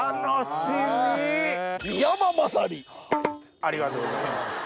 ありがとうございます。